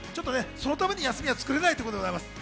そのために休みはつくれないということでございます。